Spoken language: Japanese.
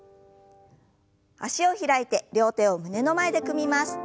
脚を開いて両手を胸の前で組みます。